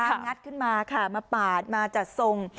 งัดขึ้นมาค่ะมาปาดมาจัดทรง